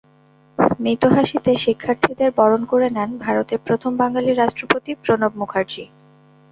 স্মিত হাসিতে শিক্ষার্থীদের বরণ করে নেন ভারতের প্রথম বাঙালি রাষ্ট্রপতি প্রণব মুখার্জি।